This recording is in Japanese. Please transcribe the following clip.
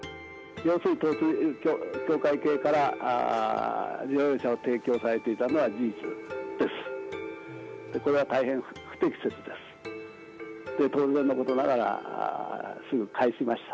要するに、統一教会系から乗用車を提供されていたのは事実です。